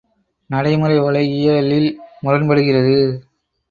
நடைமுறை உலகியலில் முரண்படுகிறது.